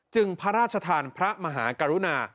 พระราชทานพระมหากรุณา